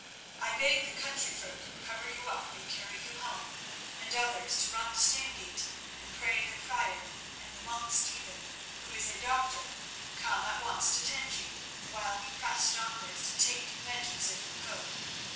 I bade the country folk cover you up and carry you home, and others to run to Stangate and pray the Prior and the monk Stephen, who is a doctor, come at once to tend you, while we pressed onwards to take vengeance if we could.